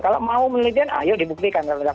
kalau mau menelitian ayo dibuktikan